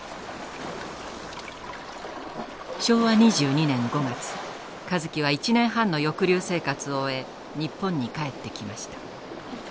昭和２２年５月香月は１年半の抑留生活を終え日本に帰ってきました。